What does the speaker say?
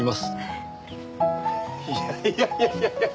いやいやいやいや。